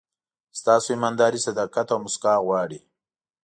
ستاسو ایمانداري، صداقت او موسکا غواړي.